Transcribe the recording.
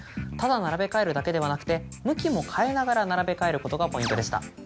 ただ並べ替えるだけではなくて向きも変えながら並べ替えることがポイントでした。